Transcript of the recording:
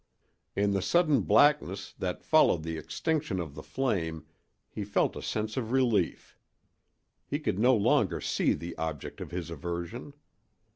In the sudden blackness that followed the extinction of the flame he felt a sense of relief; he could no longer see the object of his aversion.